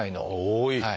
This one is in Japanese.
多い！